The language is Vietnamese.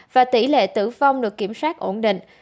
và tỷ lệ tử vong được kiểm soát ổn định